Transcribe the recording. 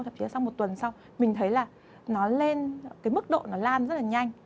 thậm chí là sau một tuần sau mình thấy là nó lên cái mức độ nó lan rất là nhanh